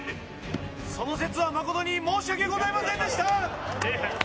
その節は誠に申し訳ございませんでした。